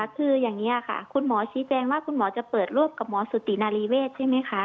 คืออย่างนี้ค่ะคุณหมอชี้แจงว่าคุณหมอจะเปิดรูปกับหมอสุตินารีเวศใช่ไหมคะ